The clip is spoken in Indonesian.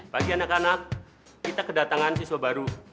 bagi anak anak kita kedatangan siswa baru